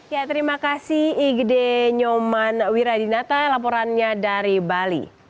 ya terima kasih igd nyoman wiradinata laporannya dari bali